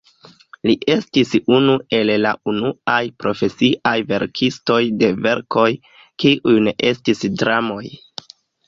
Li estis unu el la unuaj profesiaj verkistoj de verkoj kiuj ne estis dramoj.